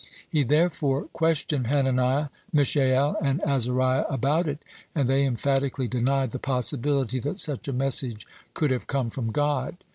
He therefore questioned Hananiah, Mishael, and Azariah about it, and they emphatically denied the possibility that such a message could have come from God.